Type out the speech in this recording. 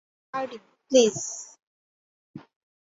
Hardinge, please.